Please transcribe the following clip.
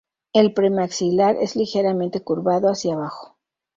El premaxilar es ligeramente curvado hacia abajo.